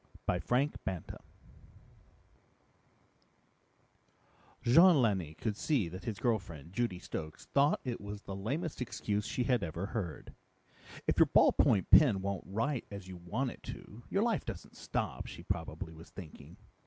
_ By FRANK BANTA Jean Lanni could see that his girl friend, Judy Stokes, thought it was the lamest excuse she had ever heard. If your ballpoint pen won't write as you want it to, your life doesn't stop, she probably was thinking.